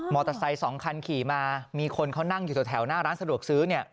มอเตอร์ไซส์๒คันขี่มามีคนเขานั่งอยู่ตรงแถวหน้าร้านสะดวกซื้อเนี่ย